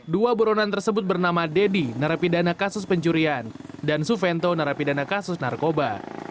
dua buronan tersebut bernama deddy narapidana kasus pencurian dan suvento narapidana kasus narkoba